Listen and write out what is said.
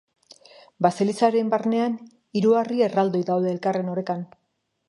Baselizaren barnean, hiru harri erraldoi daude elkarren orekan.